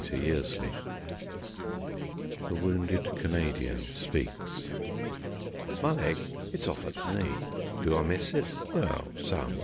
_ Fleurette (The Wounded Canadian Speaks) My leg? It's off at the knee. Do I miss it? Well, some.